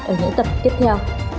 ở những tập tiếp theo